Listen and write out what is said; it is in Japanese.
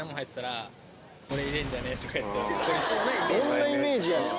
どんなイメージやねん！